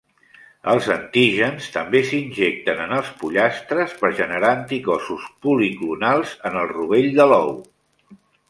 Els antígens també s'injecten en els pollastres per generar anticossos policlonals en el rovell de l'ou.